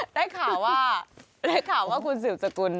ได้ข่าวว่าได้ข่าวว่าคุณสืบสกุล